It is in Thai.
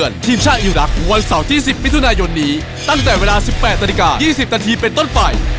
๒๐นาทีเป็นต้นปล่อย